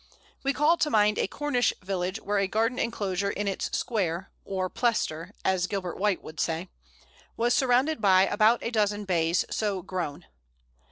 We call to mind a Cornish village, where a garden enclosure in its square (or "plestor," as Gilbert White would say) was surrounded by about a dozen Bays so grown.